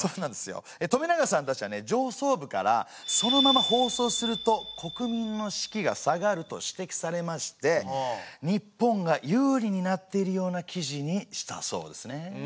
上層部からそのまま放送すると国民の士気が下がると指てきされまして日本が有利になっているような記事にしたそうですね。